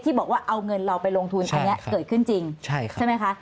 บอกว่าเอาเงินเราไปลงทุนอันนี้เกิดขึ้นจริงใช่ไหมคะ